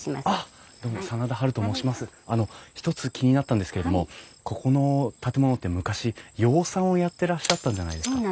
あの１つ気になったんですけれどもここの建物って昔養蚕をやってらっしゃったんじゃないですか？